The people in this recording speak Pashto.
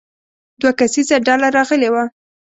دوه کسیزه ډله راغلې وه.